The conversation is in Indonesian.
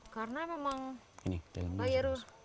karena memang ini dalamnya